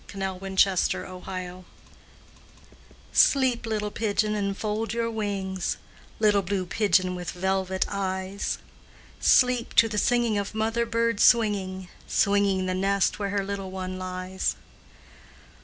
JAPANESE LULLABY Sleep, little pigeon, and fold your wings, Little blue pigeon with velvet eyes; Sleep to the singing of mother bird swinging Swinging the nest where her little one lies.